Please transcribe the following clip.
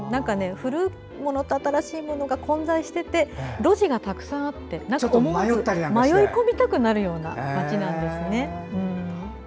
古いものと新しいものが混在していて路地がたくさんあって迷い込みたくなるような街なんですね。